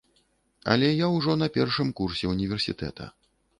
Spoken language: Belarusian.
Але я ўжо на першым курсе універсітэта.